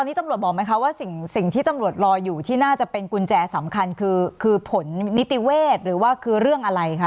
นี่ตำรวจบอกไหมคะว่าสิ่งที่ตำรวจรออยู่ที่น่าจะเป็นกุญแจสำคัญคือผลนิติเวศหรือว่าคือเรื่องอะไรคะ